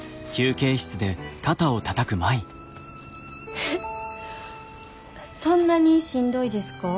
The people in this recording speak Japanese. えっそんなにしんどいですか？